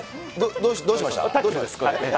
どうしました？